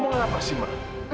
ma tolong dengerin kamila dulu